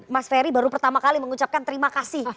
mas ferry baru pertama kali mengucapkan terima kasih